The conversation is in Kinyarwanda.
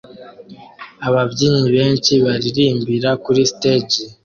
Ababyinnyi benshi baririmbira kuri stage